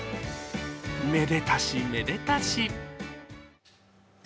めでたしめでたし。